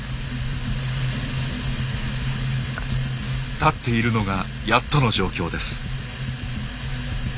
立っているのがやっとの状況です。